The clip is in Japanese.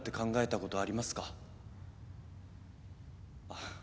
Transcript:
あっ。